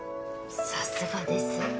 さすがです。